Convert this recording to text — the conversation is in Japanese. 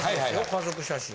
家族写真。